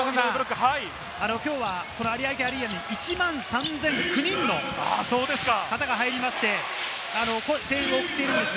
きょうはこの有明アリーナ、１万３００９人の方が入りまして、声援を送っています。